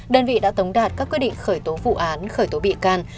đơn vị đã tống đạt các quyết định khởi tố vụ án khởi tố bị can